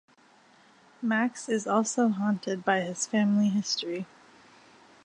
Max is also haunted by his family history.